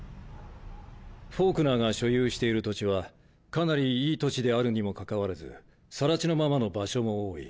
フォークナーが所有している土地はかなりいい土地であるにも関わらずさら地のままの場所も多い。